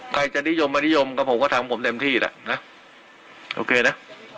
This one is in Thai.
ใครจะนิยมมานิยมก็ผมก็ทำผมเต็มที่แหละนะโอเคนะ